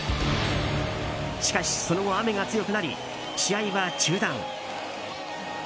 しかし、その後雨が強くなり試合は中断。